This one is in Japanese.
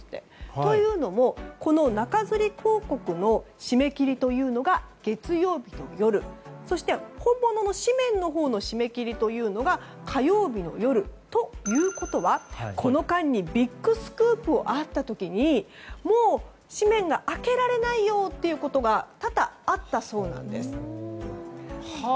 というのも、この中づり広告の締め切りというのが月曜日の夜本物の誌面の締め切りが火曜日の夜ということでこの間にビッグスクープがあった時に紙面が開けられないということが多々あったそうなんです。